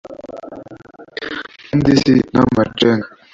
kandi si n’amacenga